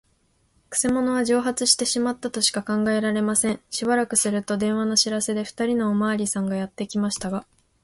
くせ者は蒸発してしまったとしか考えられません。しばらくすると、電話の知らせで、ふたりのおまわりさんがやってきましたが、